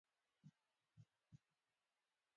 پرانیستي سیاسي بنسټونه ودې فرصت ورکوي.